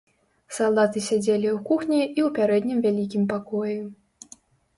Салдаты сядзелі ў кухні і ў пярэднім вялікім пакоі.